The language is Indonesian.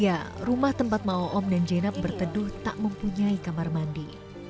ya rumah tempat ma'o om dan jenap berteduh tak mempunyai kamar mandi